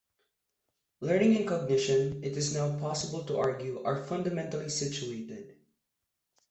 Learning and cognition, it is now possible to argue, are fundamentally situated.